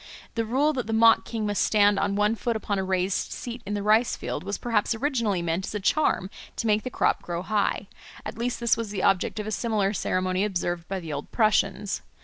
The rule that the mock king must stand on one foot upon a raised seat in the rice field was perhaps originally meant as a charm to make the crop grow high; at least this was the object of a similar ceremony observed by the old Prussians.